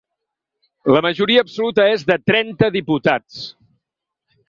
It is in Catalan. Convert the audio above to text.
La majoria absoluta és de trenta diputats.